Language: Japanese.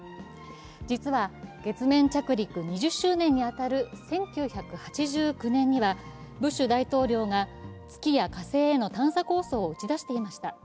実は月面着陸２０周年に当たる１９８９年にはブッシュ大統領が月や火星への探査構想を打ち出していました。